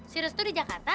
si restu di jakarta